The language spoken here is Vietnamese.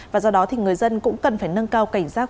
và do đó thì người dân cũng cần phải nâng cao cảnh giác